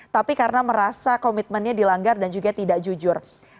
tapi karena merasa komitmennya dilanggar dan juga tidak jujur